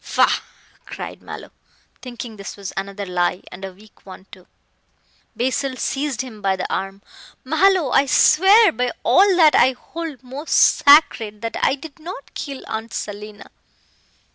"Pah!" cried Mallow, thinking this was another lie, and a weak one too. Basil seized him by the arm. "Mallow, I swear by all that I hold most sacred that I did not kill Aunt Selina.